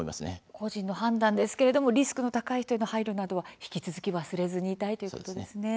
「個人の判断」ですけれどもリスクの高い人への配慮を忘れずにということですね。